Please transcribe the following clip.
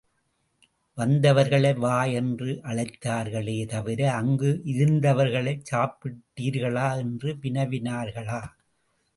வந்தவர்களை வா என்று அழைத்தார்களே தவிர அங்கு இருந்தவர்களைச் சாப்பிட்டீர்களா என்று வினவினார்களா?